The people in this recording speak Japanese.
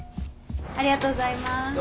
ありがとうございます。